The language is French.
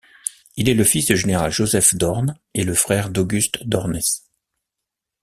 Il est le fils du général Joseph Dornes et le frère d'Auguste Dornès.